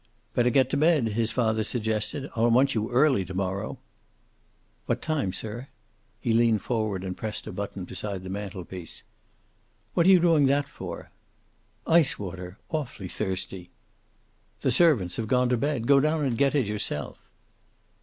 "Better get to bed," his father suggested. "I'll want you early to morrow." "What time, sir?" He leaned forward and pressed a button beside the mantel piece. "What are you doing that for?" "Ice water. Awfully thirsty." "The servants have gone to bed. Go down and get it yourself."